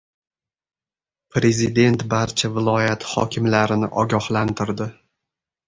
Prezident barcha viloyat hokimlarini ogohlantirdi